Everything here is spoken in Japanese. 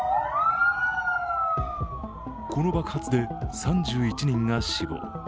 この爆発で３１人が死亡。